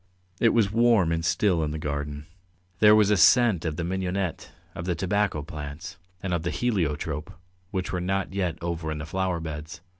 It was warm and still in the garden. There was a scent of the mignonette, of the tobacco plants, and of the heliotrope, which were not yet over in the flower beds.